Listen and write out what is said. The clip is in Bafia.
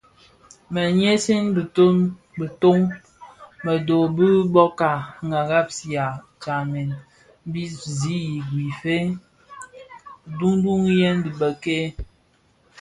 Me nyisen biton bedho bë bōka ghaksiya stamen bi zi I Guife, nduduyèn dhi bëk-ke.